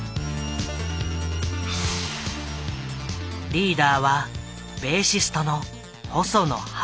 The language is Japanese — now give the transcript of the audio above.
リーダーはベーシストの細野晴臣。